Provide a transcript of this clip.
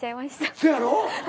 そやろ。